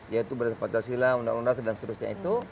yaitu berdasarkan pancasila undang undang dan seterusnya itu